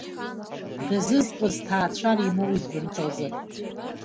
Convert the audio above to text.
Дазызкуаз ҭаацәара имоуит бымҳәозар.